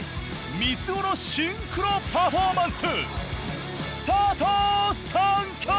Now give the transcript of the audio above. ３つ子のシンクロパフォーマンス